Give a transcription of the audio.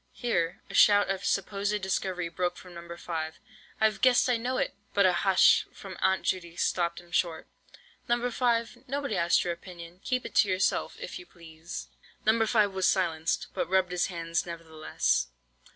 Here a shout of supposed discovery broke from No. 5. "I've guessed, I know it!" But a "hush" from Aunt Judy stopped him short. "No. 5, nobody asked your opinion, keep it to yourself, if you please." No. 5 was silenced, but rubbed his hands nevertheless.